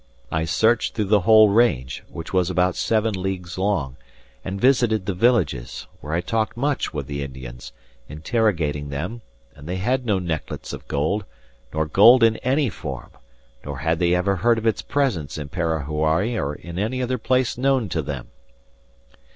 I searched through the whole range, which was about seven leagues long, and visited the villages, where I talked much with the Indians, interrogating them, and they had no necklets of gold, nor gold in any form; nor had they ever heard of its presence in Parahuari or in any other place known to them.